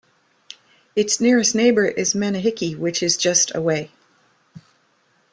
Its nearest neighbour is Manihiki which is just away.